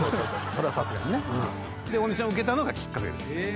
それはさすがにね。でオーディション受けたのがきっかけですね。